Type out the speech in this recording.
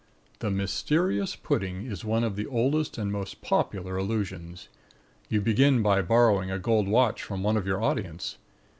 THE MYSTERIOUS PUDDING is one of the oldest and most popular illusions. You begin by borrowing a gold watch from one of your audience.